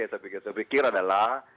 saya pikir adalah